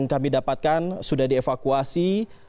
kami dapatkan sudah dievakuasi